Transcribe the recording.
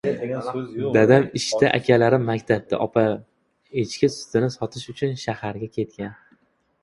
Dadam ishda, akalarim maktabda. Opam echki sutini sotish uchun shaharga ketgan.